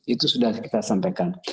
itu sudah kita sampaikan